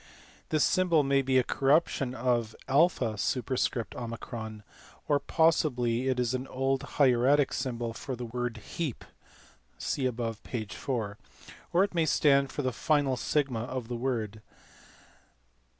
This symbol may be a corruption of OP, or possibly is an old hieratic symbol for the word heap (see above, p. 4), or it may stand for the final sigma of the word.